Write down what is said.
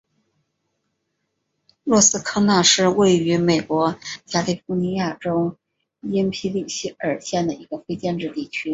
罗斯科纳是位于美国加利福尼亚州因皮里尔县的一个非建制地区。